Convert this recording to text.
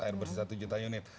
air bersih satu juta unit